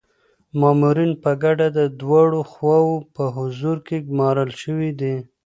مامورین په ګډه د دواړو خواوو په حضور کي ګمارل شوي دي.